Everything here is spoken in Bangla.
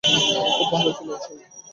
খুব ভাল ছিল আসলে!